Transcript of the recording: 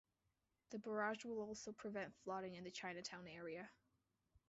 The barrage will also prevent flooding in the Chinatown area.